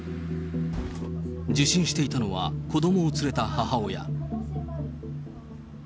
受診していたのは子どもを連れた母親。